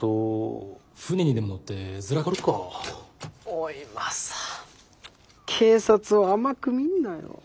おいマサ警察を甘く見んなよ。